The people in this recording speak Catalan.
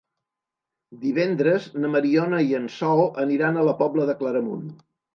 Divendres na Mariona i en Sol aniran a la Pobla de Claramunt.